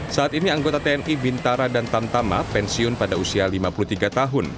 saat ini anggota tni bintara dan tamtama pensiun pada usia lima puluh tiga tahun